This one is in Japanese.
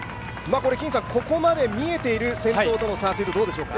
ここまで見えている先頭との差というとどうでしょうか。